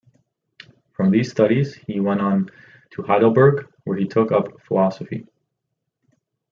From these studies he went on to Heidelberg, where he took up philosophy.